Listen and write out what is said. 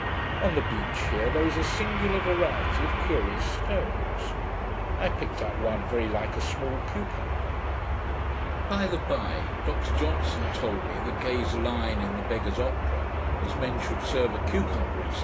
On the beach here there is a singular variety of curious stones. I picked up one very like a small cucumber. By the by, Dr Johnson told me, that Gay's line in the Beggar's Opera, 'As men should serve a cucumber,' &c.